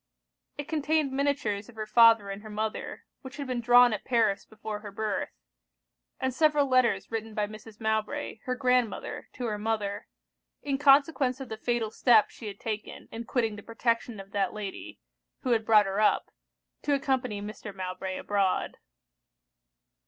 It contained miniatures of her father and her mother, which had been drawn at Paris before her birth; and several letters written by Mrs. Mowbray, her grandmother, to her mother, in consequence of the fatal step she had taken in quitting the protection of that lady, who had brought her up, to accompany Mr. Mowbray abroad.